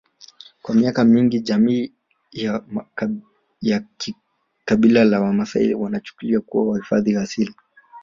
Kwa miaka mingi jamii ya kabila la wamaasai wanachukuliwa kuwa ni wahifadhi asili